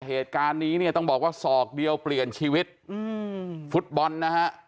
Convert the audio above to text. เหตุการณ์นี้เนี่ยต้องบอกว่าศอกเดียวเปลี่ยนชีวิตอืมฟุตบอลนะฮะ